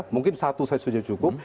mungkin satu saya setuju cukup